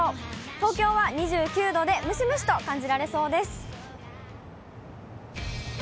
東京は２９度で、ムシムシと感じられそうです。